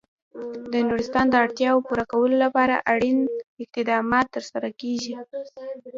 د نورستان د اړتیاوو پوره کولو لپاره اړین اقدامات ترسره کېږي.